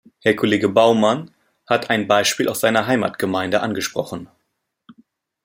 Herr Kollege Bouwman hat ein Beispiel aus seiner Heimatgemeinde angesprochen.